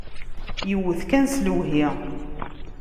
Iwwet kan s lehwi.